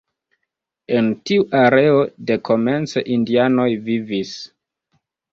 En tiu areo dekomence indianoj vivis.